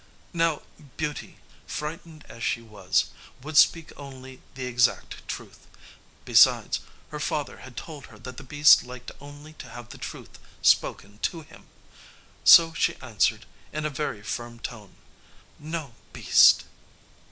Now Beauty, frightened as she was, would speak only the exact truth; besides, her father had told her that the beast liked only to have the truth spoken to him. So she answered, in a very firm tone, "No, beast."